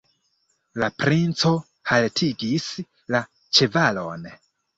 La princo haltigis la ĉevalon.